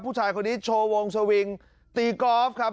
ผู้ชายคนนี้โชว์วงสวิงตีกอล์ฟครับ